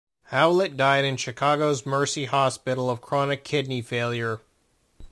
Howlett died in Chicago's Mercy Hospital of chronic kidney failure.